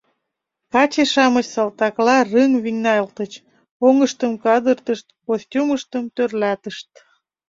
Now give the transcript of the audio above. Каче-шамыч салтакла рыҥ вийналтыч, оҥыштым кадыртышт, костюмыштым тӧрлатышт.